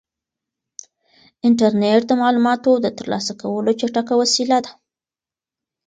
انټرنيټ د معلوماتو د ترلاسه کولو چټکه وسیله ده.